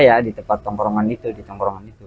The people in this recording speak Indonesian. iya di depan bengkel saya di tempat tongkrongan itu